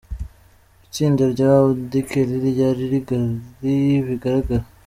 Itsinda rya Auddy Kelly ryari rigari bigaragara.